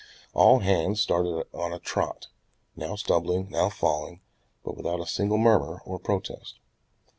All hands started on a trot, now stumbling, now falling, but without a single murmur, or protest.